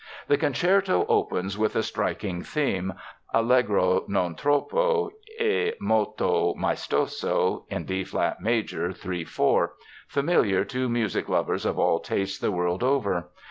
The concerto opens with a striking theme, Allegro non troppo e molto maestoso, in D flat major, 3 4, familiar to music lovers of all tastes the world over.